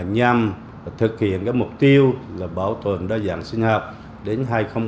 nhằm thực hiện mục tiêu là bảo tồn đa dạng sinh học đến hai nghìn ba mươi